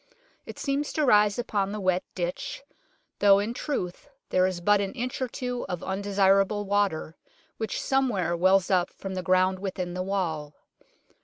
It seems to rise upon the wet ditch, though in truth there is but an inch or two of undesirable water, which some where wells up from the ground within the wall.